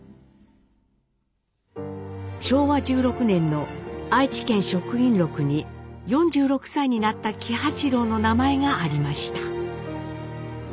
昭和１６年の愛知県職員録に４６歳になった喜八郎の名前がありました。